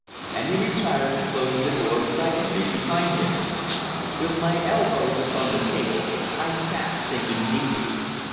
And he retired, closing the door silently behind him. With my elbows upon the table, I sat thinking deeply.